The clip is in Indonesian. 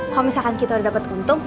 kalau misalkan kita udah dapat untung